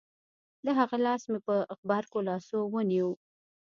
د هغه لاس مې په غبرگو لاسو ونيو.